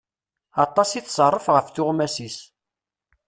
Aṭas i tṣerref ɣef tuɣmas-is.